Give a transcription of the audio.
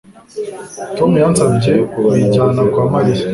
Tom yansabye kuyijyana kwa Mariya